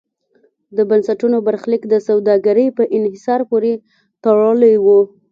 د بنسټونو برخلیک د سوداګرۍ په انحصار پورې تړلی و.